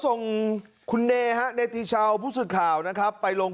ส่งคุณเนธฮะในตีเฉาห์ผู้สิดข่าวนะครับไปลง